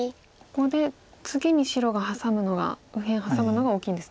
ここで次に白がハサむのが右辺ハサむのが大きいんですね。